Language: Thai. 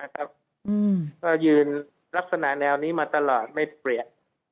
ก็ยืนลักษณะแนวนี้มาตลอดไม่เปรียบ